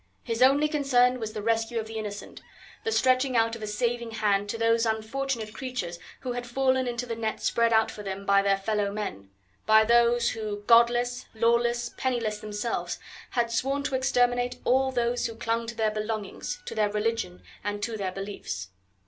His only concern was the rescue of the innocent, the stretching out of a saving hand to those unfortunate creatures who had fallen into the nets spread out for them by their fellow men; by those who godless, lawless, penniless themselves had sworn to exterminate all those who clung to their belongings, to their religion, and to their beliefs.